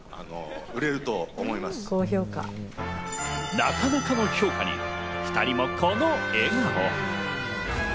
なかなかの評価に２人もこの笑顔。